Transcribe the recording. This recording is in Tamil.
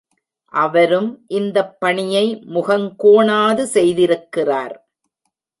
அவரும் இந்தப் பணியை முகங்கோணாது செய்திருக்கிறார்.